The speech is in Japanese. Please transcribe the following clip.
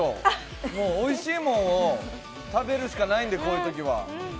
もう、おいしいものを食べるしかないんで、こういうときは。